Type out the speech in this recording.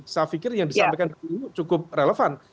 saya pikir yang disampaikan cukup relevan